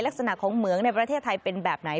ลักษณะของเหมืองในประเทศไทยเป็นแบบไหน